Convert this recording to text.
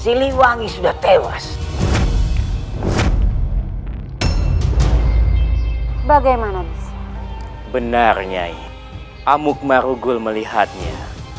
silhewangi iah menerima badan hidup tersangkit oleh bila butuh